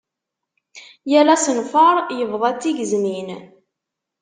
Yal asenfar, yebḍa d tigezmin.